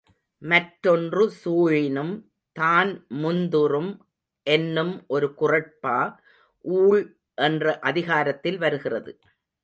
மற்றொன்று சூழினும் தான்முந் துறும் என்னும் ஒரு குறட்பா ஊழ் என்ற அதிகாரத்தில் வருகிறது.